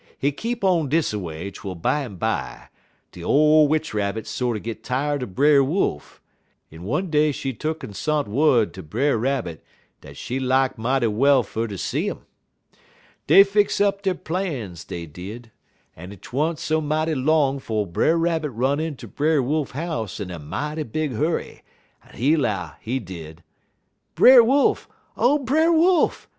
Hit keep on dis a way twel bimeby de ole Witch Rabbit sorter git tired er Brer Wolf, en one day she tuck'n sont wud ter Brer Rabbit dat she lak mighty well fer ter see 'im. "Dey fix up der plans, dey did, en 't wa'n't so mighty long 'fo' Brer Rabbit run inter Brer Wolf house in a mighty big hurry, en he 'low, he did: "'Brer Wolf! O Brer Wolf!